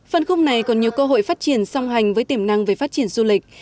phân khúc này còn nhiều cơ hội phát triển song hành với tiềm năng về phát triển du lịch